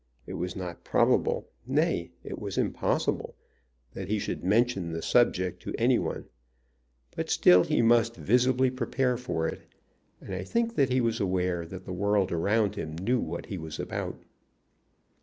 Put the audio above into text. It was not probable, nay, it was impossible, that he should mention the subject to any one; but still he must visibly prepare for it, and I think that he was aware that the world around him knew what he was about.